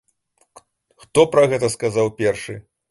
Хто пра гэта сказаў першы?